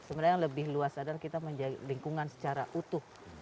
sebenarnya yang lebih luas adalah kita menjaga lingkungan secara utuh